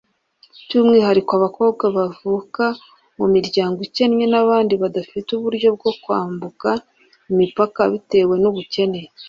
By’umwihariko abakobwa bavuka mu miryango ikennye n’abandi badafite uburyo bwo kwambuka imipaka bitewe n’ubukene